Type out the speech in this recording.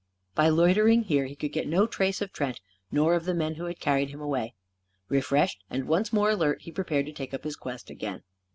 By loitering here, he could get no trace of Trent, nor of the men who had carried him away. Refreshed and once more alert, he prepared to take up his quest again.